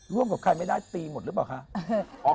ร่วมกับใครไม่ได้ตีหมดหรือเปล่าคะ